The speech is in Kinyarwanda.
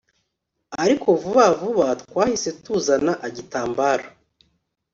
ariko vuba vuba twahise tuzana agitambaro